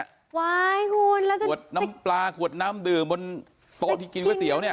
คุณแล้วขวดน้ำปลาขวดน้ำดื่มบนโต๊ะที่กินก๋วยเตี๋ยวเนี่ย